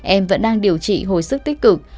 em vẫn đang điều trị hồi sức tích cực